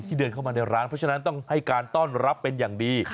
เดินเข้ามาในร้านเพราะฉะนั้นต้องให้การต้อนรับเป็นอย่างดี